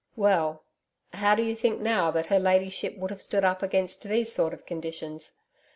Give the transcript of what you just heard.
Well, how do you think now, that her ladyship would have stood up against these sort of conditions?